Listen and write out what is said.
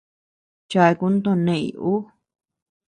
Chakun to neʼëñ uu.